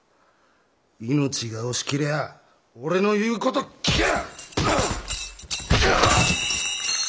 命が惜しけりゃ俺の言う事聞け！